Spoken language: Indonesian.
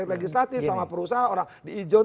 legislatif sama perusahaan orang di ijon